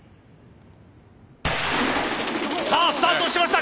さあスタートしました！